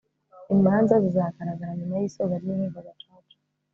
imanza zizagaragara nyuma y'isoza ry'inkiko gacaca